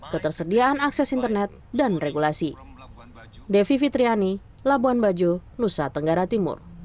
ketersediaan akses internet dan regulasi